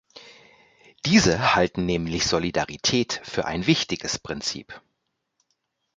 Diese halten nämlich Solidarität für ein wichtiges Prinzip.